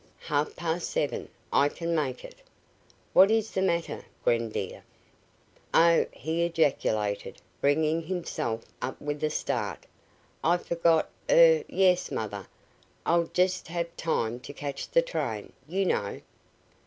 "Half past seven! I can make it!" "What is the matter, Gren dear?" "Oh!" he ejaculated, bringing himself up with a start. "I forgot er yes, mother, I'll just have time to catch the train, you know.